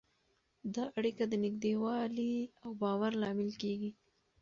دا اړیکه د نږدېوالي او باور لامل کېږي.